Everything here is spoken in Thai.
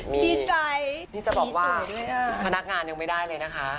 มีใจจริงสวยด้วยอ่ะ